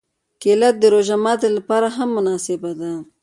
کېله د روژه ماتي لپاره هم مناسبه ده.